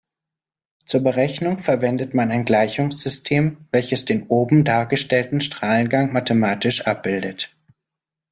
Zur Berechnung verwendet man ein Gleichungssystem, welches den oben dargestellten Strahlengang mathematisch abbildet.